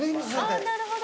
なるほど。